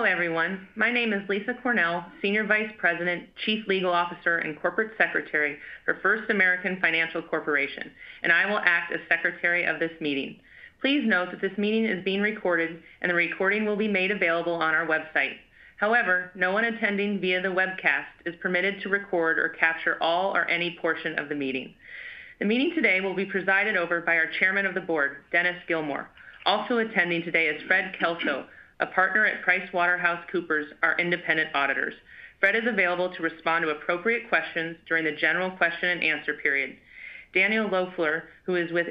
Hello, everyone. My name is Lisa Cornehl, Senior Vice President, Chief Legal Officer, and Corporate Secretary for First American Financial Corporation, and I will act as secretary of this meeting. Please note that this meeting is being recorded, and the recording will be made available on our website. However, no one attending via the webcast is permitted to record or capture all or any portion of the meeting. The meeting today will be presided over by our Chairman of the Board, Dennis Gilmore. Also attending today is Fred Kelso, a partner at PricewaterhouseCoopers, our independent auditors. Fred is available to respond to appropriate questions during the general question and answer period. Daniel Loeffler, who is with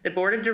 Equiniti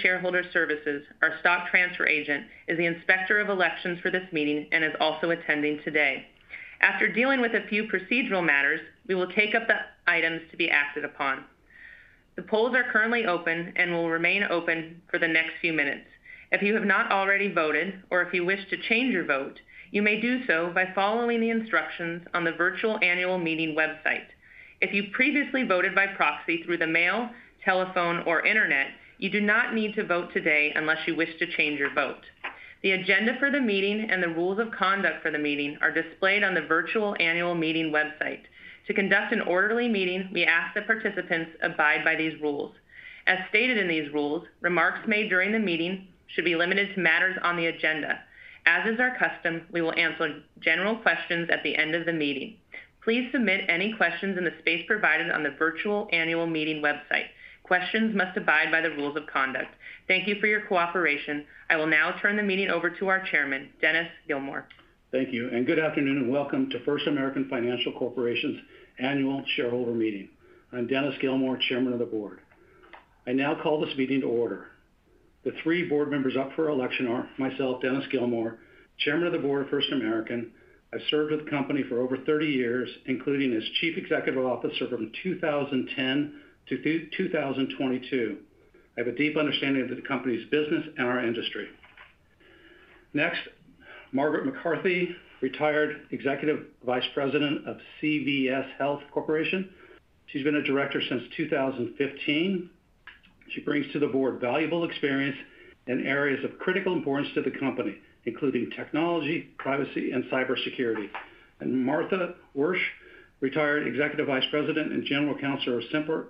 Shareholder Services, our stock transfer agent, is the Inspector of Elections for this meeting and is also attending today. After dealing with a few procedural matters, we will take up the items to be acted upon. The polls are currently open and will remain open for the next few minutes. If you have not already voted or if you wish to change your vote, you may do so by following the instructions on the virtual annual meeting website. If you previously voted by proxy through the mail, telephone, or internet, you do not need to vote today unless you wish to change your vote. The agenda for the meeting and the rules of conduct for the meeting are displayed on the virtual annual meeting website. To conduct an orderly meeting, we ask that participants abide by these rules. As stated in these rules, remarks made during the meeting should be limited to matters on the agenda. As is our custom, we will answer general questions at the end of the meeting. Please submit any questions in the space provided on the virtual annual meeting website. Questions must abide by the rules of conduct. Thank you for your cooperation. I will now turn the meeting over to our chairman, Dennis Gilmore. Thank you, and good afternoon, and welcome to First American Financial Corporation's Annual Shareholder Meeting. I'm Dennis Gilmore, Chairman of the Board. I now call this meeting to order. The three board members up for election are myself, Dennis Gilmore, Chairman of the Board of First American. I've served with the company for over 30 years, including as Chief Executive Officer from 2010 to 2022. I have a deep understanding of the company's business and our industry. Next, Margaret McCarthy, retired Executive Vice President of CVS Health Corporation. She's been a director since 2015. She brings to the board valuable experience in areas of critical importance to the company, including technology, privacy, and cybersecurity. Martha Wyrsch, retired Executive Vice President and General Counsel of Sempra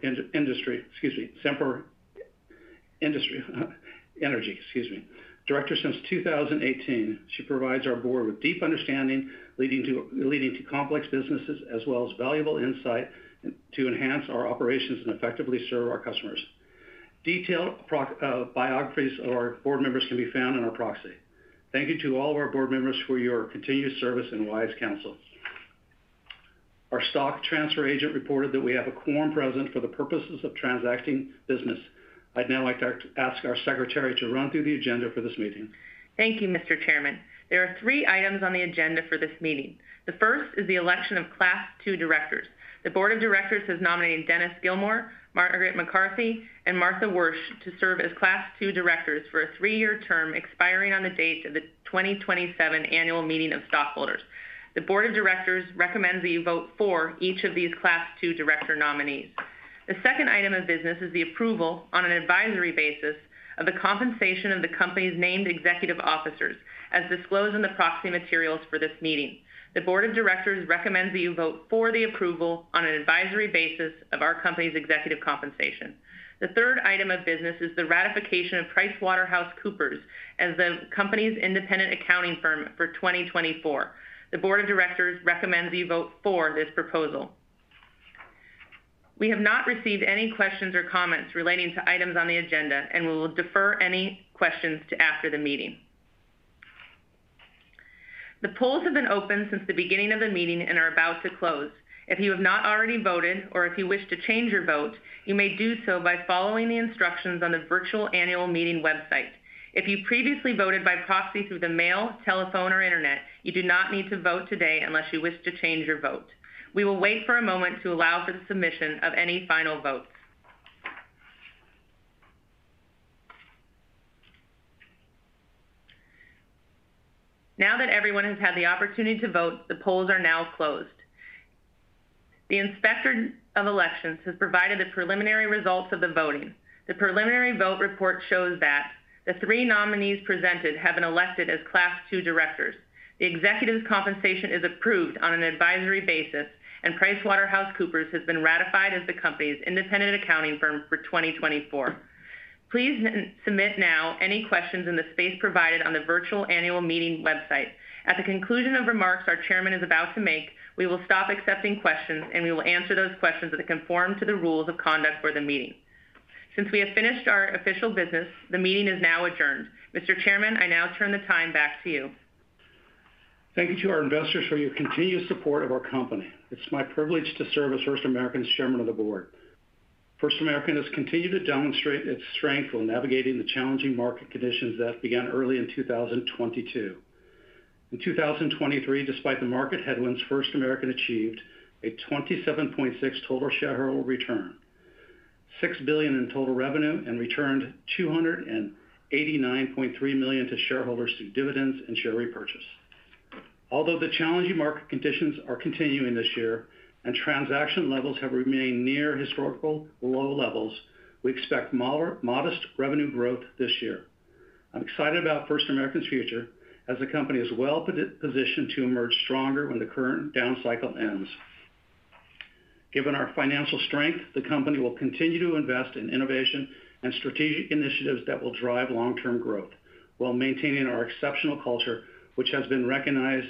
Energy. Director since 2018. She provides our board with deep understanding, leading to complex businesses, as well as valuable insight to enhance our operations and effectively serve our customers. Detailed biographies of our board members can be found in our proxy. Thank you to all of our board members for your continued service and wise counsel. Our stock transfer agent reported that we have a quorum present for the purposes of transacting business. I'd now like to ask our secretary to run through the agenda for this meeting. Thank you, Mr. Chairman. There are three items on the agenda for this meeting. The first is the election of Class II directors. The board of directors has nominated Dennis Gilmore, Margaret McCarthy, and Martha Wyrsch to serve as Class II directors for a three-year term expiring on the date of the 2027 Annual Meeting of Stockholders. The board of directors recommends that you vote for each of these Class II director nominees. The second item of business is the approval on an advisory basis of the compensation of the company's named executive officers, as disclosed in the proxy materials for this meeting. The board of directors recommends that you vote for the approval on an advisory basis of our company's executive compensation. The third item of business is the ratification of PricewaterhouseCoopers as the company's independent accounting firm for 2024. The board of directors recommends that you vote for this proposal. We have not received any questions or comments relating to items on the agenda, and we will defer any questions to after the meeting. The polls have been open since the beginning of the meeting and are about to close. If you have not already voted or if you wish to change your vote, you may do so by following the instructions on the virtual annual meeting website. If you previously voted by proxy through the mail, telephone, or internet, you do not need to vote today unless you wish to change your vote. We will wait for a moment to allow for the submission of any final votes. Now that everyone has had the opportunity to vote, the polls are now closed. The Inspector of Elections has provided the preliminary results of the voting. The preliminary vote report shows that the three nominees presented have been elected as Class II directors. The executive compensation is approved on an advisory basis, and PricewaterhouseCoopers has been ratified as the company's independent accounting firm for 2024. Please submit now any questions in the space provided on the virtual annual meeting website. At the conclusion of remarks our chairman is about to make, we will stop accepting questions, and we will answer those questions that conform to the rules of conduct for the meeting. Since we have finished our official business, the meeting is now adjourned. Mr. Chairman, I now turn the time back to you. Thank you to our investors for your continued support of our company. It's my privilege to serve as First American's chairman of the board. First American has continued to demonstrate its strength while navigating the challenging market conditions that began early in 2022. In 2023, despite the market headwinds, First American achieved a 27.6 total shareholder return, $6 billion in total revenue, and returned $289.3 million to shareholders through dividends and share repurchase. Although the challenging market conditions are continuing this year, and transaction levels have remained near historical low levels, we expect modest revenue growth this year. I'm excited about First American's future, as the company is well positioned to emerge stronger when the current down cycle ends. Given our financial strength, the company will continue to invest in innovation and strategic initiatives that will drive long-term growth, while maintaining our exceptional culture, which has been recognized